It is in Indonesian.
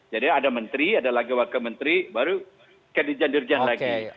jadi ada menteri ada lagi wakil menteri baru ke dirjen dirjen lagi